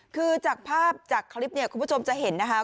คือจากภาพจากคลิปเนี่ยคุณผู้ชมจะเห็นนะคะ